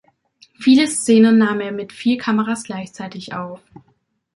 Viele Szenen nahm er mit vier Kameras gleichzeitig auf.